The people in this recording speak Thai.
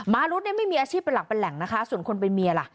รุดเนี่ยไม่มีอาชีพเป็นหลักเป็นแหล่งนะคะส่วนคนเป็นเมียล่ะ